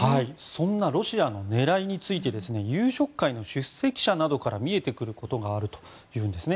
そんなロシアの狙いについて夕食会の出席者などから見えてくることがあるということです。